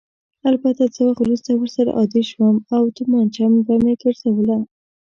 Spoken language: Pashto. البته څه وخت وروسته ورسره عادي شوم او تومانچه به مې ګرځوله.